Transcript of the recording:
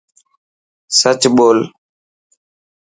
سچ ٻول.